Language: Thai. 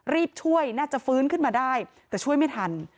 รีบช่วยน่าจะฟื้นขึ้นมาได้แต่ช่วยไม่ทัน